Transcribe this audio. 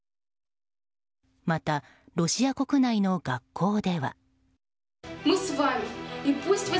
また、ロシア国内の学校では。